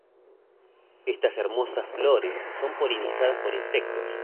Estas hermosas flores son polinizadas por insectos.